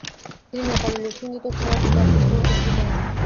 তিনি নেপালি লোকসঙ্গীত ও ছড়ার প্রতি আকৃষ্ট হতে শুরু করেন।